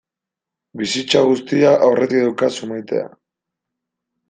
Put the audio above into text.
Bizitza guztia aurretik daukazu maitea.